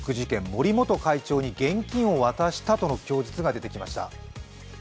森元会長に現金を渡したとの供述が出てきました。